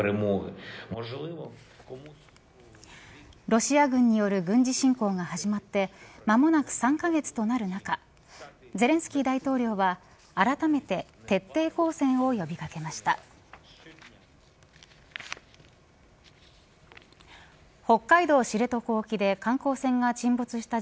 ロシア軍による軍事侵攻が始まって間もなく３カ月となる中ゼレンスキー大統領はあらためて徹底抗戦を呼び掛けました。